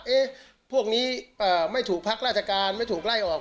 พวกนี้ไม่ถูกพักราชการไม่ถูกไล่ออก